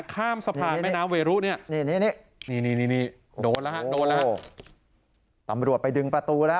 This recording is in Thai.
ข้ามสะพานแม่น้ำเวรุเนี่ยนี่นี่โดนแล้วฮะโดนแล้วตำรวจไปดึงประตูแล้ว